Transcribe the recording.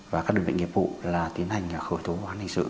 và các đồng hành nghiệp vụ là tiến hành khởi tố hóa hình sự